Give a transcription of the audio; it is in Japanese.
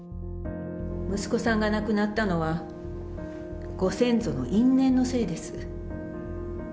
息子さんが亡くなったのは、ご先祖の因縁のせいです。